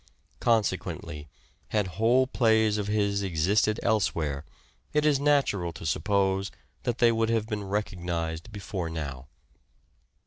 Con sequently, had whole plays of his existed elsewhere it is natural to suppose that they would have been recognized before now.